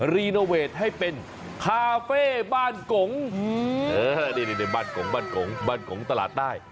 รีโนเวทให้เป็นคาเฟ่บ้านก๋งบ้านก๋งตลาดใต้